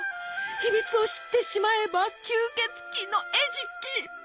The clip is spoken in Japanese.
秘密を知ってしまえば吸血鬼の餌食！